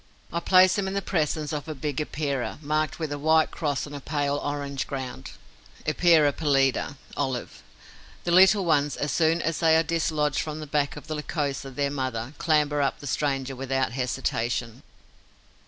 I place them in the presence of a big Epeira marked with a white cross on a pale orange ground (Epeira pallida, OLIV.). The little ones, as soon as they are dislodged from the back of the Lycosa their mother, clamber up the stranger without hesitation.